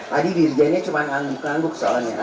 tadi dirjennya cuma ngangguk ngangguk soalnya